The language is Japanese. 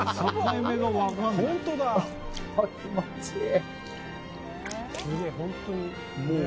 あ、気持ちいい！